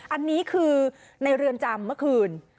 อันนี้คือในเรือนจำเมื่อคืน